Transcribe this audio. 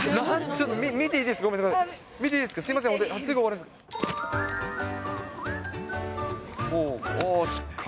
ちょっと、見ていいですか？